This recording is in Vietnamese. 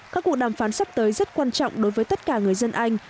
các cuộc đàm phán sắp tới rất quan trọng đối với tất cả người dân anh